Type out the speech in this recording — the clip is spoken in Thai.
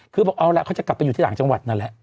คือบอกเอาล่ะเขาจะกลับไปอยู่ที่หลังจังหวัดนั่นแหละ